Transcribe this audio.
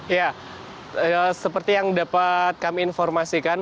ya seperti yang dapat kami informasikan